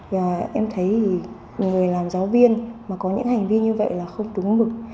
và em thấy người làm giáo viên mà có những hành vi như vậy là không đúng mực